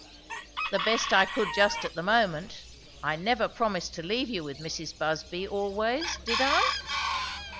"The best I could just at the moment. I never promised to leave you with Mrs. Busby always, did I?"